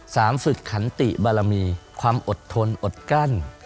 ฝึกขันติบารมีความอดทนอดกั้น